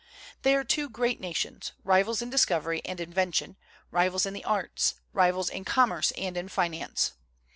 They are two great nations, rivals in discovery and inven U in the arts, rivals in commerce and in finance.